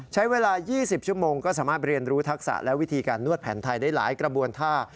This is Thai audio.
ใช้เวลา๒๐ชั่วโมงก็สามารถเรียนรู้ทักษะและวิธีการนวดแผนไทยได้หลายกระบวนท่า